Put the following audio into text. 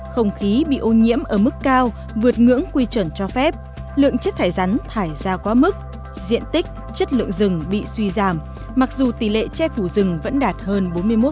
không khí bị ô nhiễm ở mức cao vượt ngưỡng quy chuẩn cho phép lượng chất thải rắn thải ra quá mức diện tích chất lượng rừng bị suy giảm mặc dù tỷ lệ che phủ rừng vẫn đạt hơn bốn mươi một